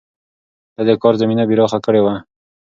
ده د کار زمينه پراخه کړې وه.